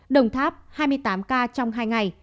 đồng tháp hai mươi tám ca trong hai ngày